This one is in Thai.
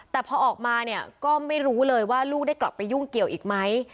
แต่พอออกมาเนี่ยก็ไม่รู้เลยว่าลูกได้กลับไปยุ่งเกี่ยวอีกไหม